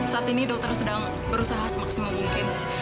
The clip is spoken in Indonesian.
saat ini dokter sedang berusaha semaksimal mungkin